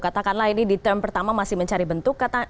katakanlah ini di term pertama masih mencari bentuk